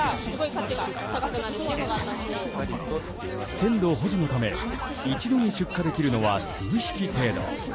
鮮度保持のため一度に出荷できるのは数匹程度。